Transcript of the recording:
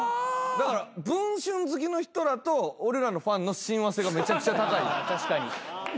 だから『文春』好きの人らと俺らのファンの親和性がめちゃくちゃ高い。